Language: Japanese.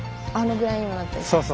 あのぐらいにはなってる？